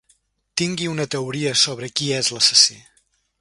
Tingui una teoria sobre qui és l'assassí.